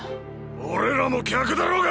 俺らも客だろうが！